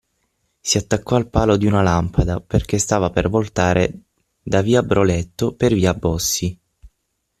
Si attaccò al palo di una lampada, perché stava per voltare da via Broletto per via Bossi.